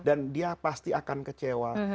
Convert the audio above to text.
dan dia pasti akan kecewa